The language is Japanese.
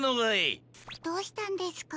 どうしたんですか？